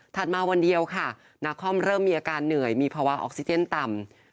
มาวันเดียวค่ะนาคอมเริ่มมีอาการเหนื่อยมีภาวะออกซิเจนต่ำ